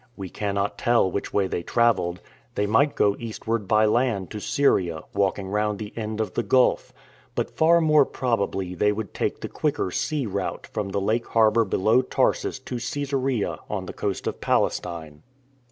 We cannot tell which way they travelled. They might go eastward by land to Syria, walking round the end of the gulf; but far more probably they would take the quicker sea route from the lake harbour below Tarsus to Csesarea on the coast of Palestine.